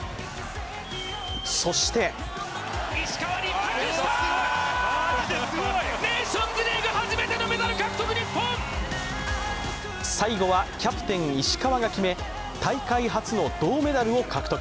そして最後はキャプテン・石川が決め大会初の銅メダルを獲得。